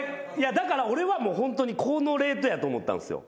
だから俺はホントにこのレートやと思ったんですよ。